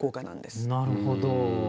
なるほど。